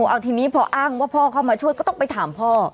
เอาทีนี้พออ้างว่าพ่อเข้ามาช่วยก็ต้องไปถามพ่อ